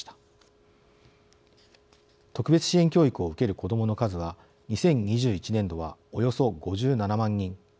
特別支援教育を受ける子どもの数は２０２１年度はおよそ５７万人。